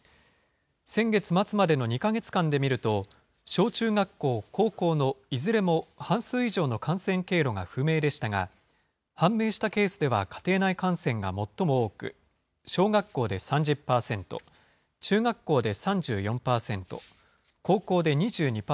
先月末までの２か月間で見ると、小中学校、高校のいずれも半数以上の感染経路が不明でしたが、判明したケースでは家庭内感染が最も多く、小学校で３０％、中学校で３４％、